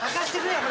これ。